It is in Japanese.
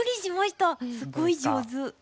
すごい上手。